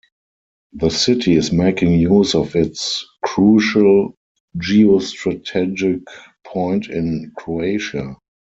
The city is making use of its crucial geostrategic point in Croatia.